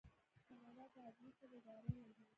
کاناډا د عدلي طب اداره لري.